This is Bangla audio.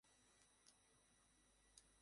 আপনার সাথে সম্পত্তির বিষয়ে কিছু কথা ছিল।